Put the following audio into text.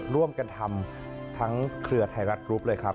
ร่วมกันทำทั้งเครือไทยรัฐกรุ๊ปเลยครับ